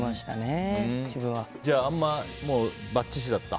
じゃあ、ばっちしだった？